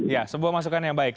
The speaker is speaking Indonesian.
ya sebuah masukan yang baik